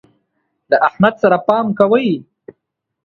له احمد سره پام کوئ.